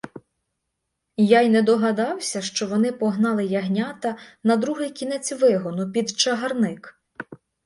Я й не догадався, що вони погнали ягнята на другий кінець вигону, під чагарник.